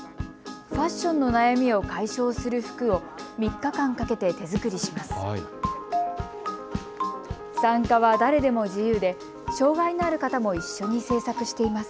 ファッションの悩みを解消する服を３日間かけて手作りします。